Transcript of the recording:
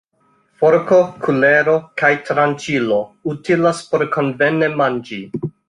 Forko, kulero kaj tranĉilo utilas por konvene manĝi.